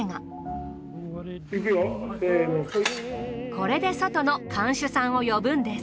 これで外の看守さんを呼ぶんです。